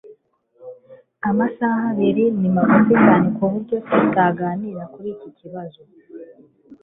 amasaha abiri ni mugufi cyane kuburyo tutaganira kuri iki kibazo